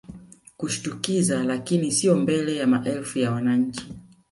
kushtukiza lakini sio mbele ya maelfu ya wananchi